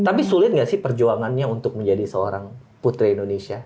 tapi sulit nggak sih perjuangannya untuk menjadi seorang putri indonesia